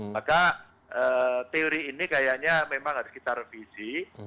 maka teori ini kayaknya memang harus kita revisi